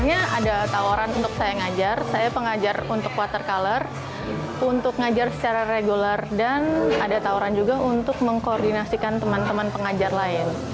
sebenarnya ada tawaran untuk saya ngajar saya pengajar untuk water color untuk ngajar secara regular dan ada tawaran juga untuk mengkoordinasikan teman teman pengajar lain